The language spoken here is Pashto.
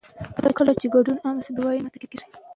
کله چې ګډون عام شي، بې پروايي نه رامنځته کېږي.